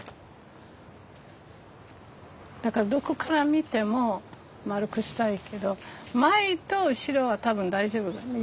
だからどこから見ても丸くしたいけど前と後ろは多分大丈夫だ。